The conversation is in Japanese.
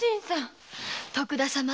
徳田様。